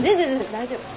大丈夫。